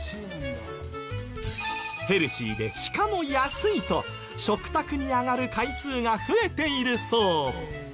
ヘルシーでしかも安いと食卓に上がる回数が増えているそう。